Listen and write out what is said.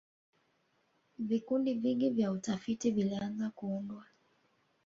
vikundi vingi vya utafiti vilianza kuundwa